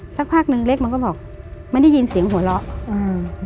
สักพักหนึ่งเล็กมันก็บอกไม่ได้ยินเสียงหัวเราะอืม